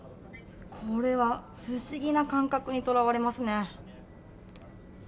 これは不思議な感覚にとらわれま